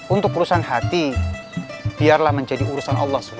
untuk urusan hati biarlah menjadi urusan allah swt